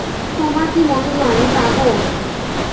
তোমার কি মনে হয় আমি পাগল?